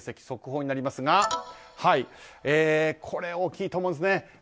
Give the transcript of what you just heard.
速報になりますがこれ、大きいと思うんですね。